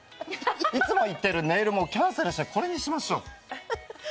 いつも行ってるネイル、キャンセルしてこれにしましょう。